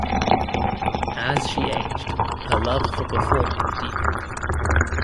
As she aged, her love for performing deepened.